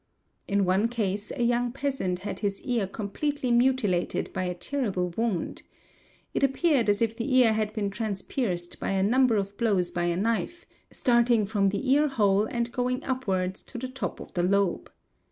In one case a young peasant had his ear completely mutilated by a terrible wound. It appeared as if the ear had been transpierced by a number of blows by a knife, starting from the ear hole and going up wards to the top of the lobe.